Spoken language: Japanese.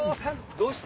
どうした？